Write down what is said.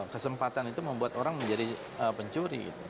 kesempatan itu membuat orang menjadi pencuri